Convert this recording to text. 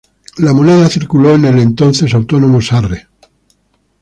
La moneda circuló en el entonces autónomo Sarre.